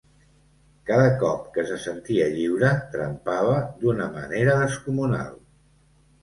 Cada cop que se sentia lliure trempava d'una manera descomunal.